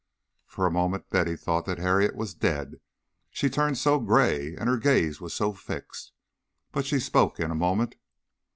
For a moment Betty thought that Harriet was dead, she turned so gray and her gaze was so fixed. But she spoke in a moment.